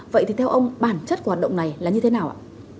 vậy thì theo ông bản chất của hoạt động này là như thế nào ạ